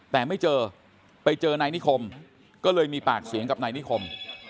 แต่ไม่เจอไปเจอในนี้คมก็เลยมีปากเสียงกับในนี้คม